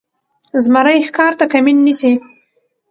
زمری ښکار ته کمین نیسي.